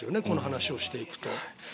この話をしていくと。